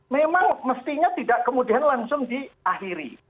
memang mestinya tidak kemudian langsung diakhiri